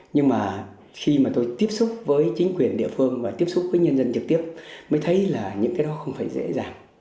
nhưng mà khi mà tôi tiếp xúc với chính quyền địa phương và tiếp xúc với nhân dân trực tiếp mới thấy là những cái đó không phải dễ dàng